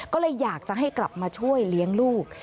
ก็เลยอยากจะให้กลับมาช่วยเลี้ยงลูก